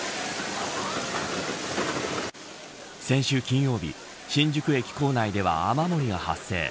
先週金曜日新宿駅構内では雨漏りが発生。